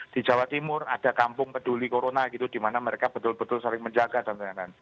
di jawa timur ada kampung peduli corona gitu di mana mereka betul betul saling menjaga dan lain lain